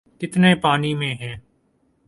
‘ کتنے پانی میں ہیں۔